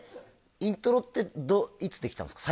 イントロっていつできたんですか？